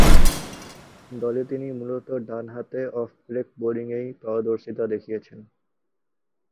দলে তিনি মূলতঃ ডানহাতে অফ ব্রেক বোলিংয়ে পারদর্শিতা দেখিয়েছেন।